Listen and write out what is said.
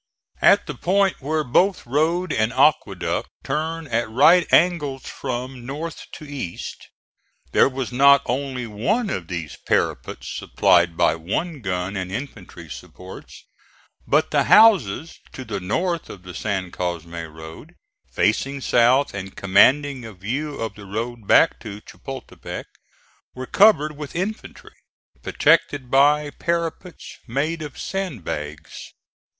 At the point where both road and aqueduct turn at right angles from north to east, there was not only one of these parapets supplied by one gun and infantry supports, but the houses to the north of the San Cosme road, facing south and commanding a view of the road back to Chapultepec, were covered with infantry, protected by parapets made of sandbags.